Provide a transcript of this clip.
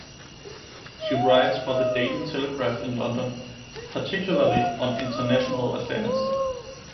She writes for The Daily Telegraph in London particularly on international affairs.